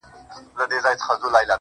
اچيل یې ژاړي، مړ یې پېزوان دی~